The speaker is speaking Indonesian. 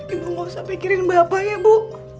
ibu gak usah pikirin bapak ya bu